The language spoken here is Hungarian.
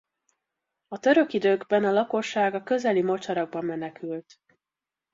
A török időkben a lakosság a közeli mocsarakba menekült.